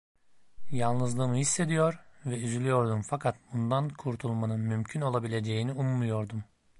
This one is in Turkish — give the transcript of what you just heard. Yalnızlığımı hissediyor ve üzülüyordum fakat bundan kurtulmanın mümkün olabileceğini ummuyordum.